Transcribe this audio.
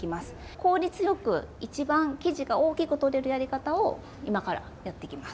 効率よくいちばん生地が大きくとれるやり方を今からやっていきます。